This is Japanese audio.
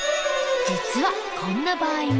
実はこんな場合も。